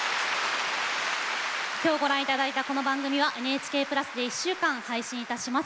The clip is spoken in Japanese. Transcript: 今日ご覧頂いたこの番組はＮＨＫプラスで１週間配信いたします。